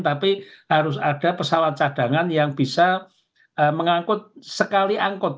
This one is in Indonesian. tapi harus ada pesawat cadangan yang bisa mengangkut sekali angkut